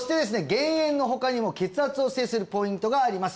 減塩の他にも血圧を制するポイントがあります